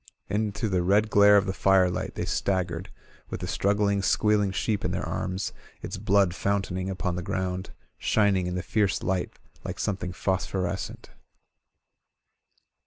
Into the red glare of the firelight they staggered, with the struggling, squealing sheep in their arms, its blood f ountaining upon the ground, shining in the fierce light like something phosphorescent.